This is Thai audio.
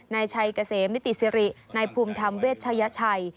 นายชัยเกษมมิติสิรินายภูมิธรรมเวชยชัย